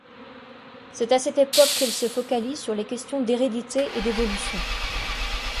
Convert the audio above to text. C'est à cette époque qu'il se focalise sur les questions d'hérédité et d'évolution.